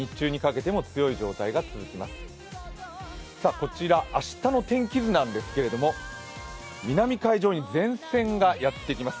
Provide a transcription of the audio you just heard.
こちら明日の天気図なんですけれども、南海上に前線がやってきます。